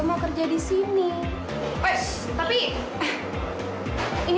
ga ada virasi di situ kan